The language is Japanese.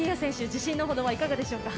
自信のほどはどうでしょうか？